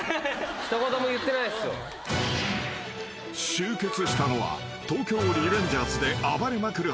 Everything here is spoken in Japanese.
［集結したのは『東京リベンジャーズ』で暴れまくる